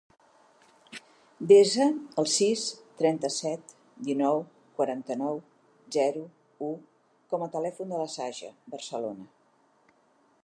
Desa el sis, trenta-set, dinou, quaranta-nou, zero, u com a telèfon de la Saja Barcelona.